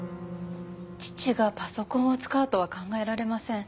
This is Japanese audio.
父がパソコンを使うとは考えられません。